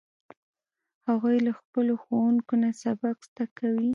هغوی له خپلو ښوونکو نه سبق زده کوي